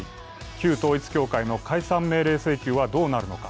旧統一教会の解散命令請求はどうなるのか。